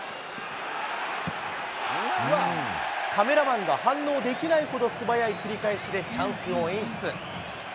カメラマンが反応できないほど素早い切り返しでチャンスを演出。